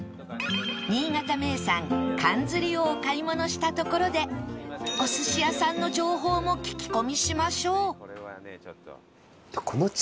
新潟名産かんずりをお買い物したところでお寿司屋さんの情報も聞き込みしましょう